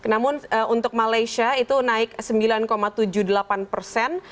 namun untuk malaysia itu naik sembilan tujuh puluh delapan persen